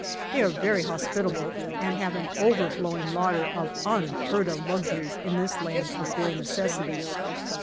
They are very hospitable, and have an overflowing larder of unheard of luxuries in this land of bare necessity.